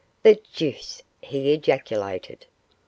'The deuce!' he ejaculated.